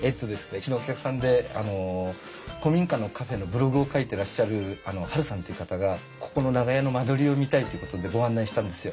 うちのお客さんで古民家のカフェのブログを書いてらっしゃるハルさんっていう方がここの長屋の間取りを見たいということでご案内したんですよ。